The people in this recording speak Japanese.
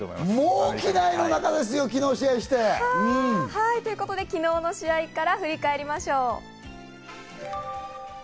もう機内の中ですよ、昨日試ということで昨日の試合から振り返りましょう。